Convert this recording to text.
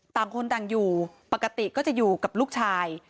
ต่างคนต่างอยู่ปกติก็จะอยู่กับลูกชาย